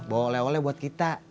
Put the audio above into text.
boleh oleh buat kita